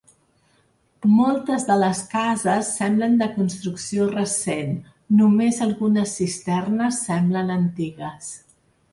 Moltes de les cases semblen de construcció recent, només algunes cisternes semblen antigues.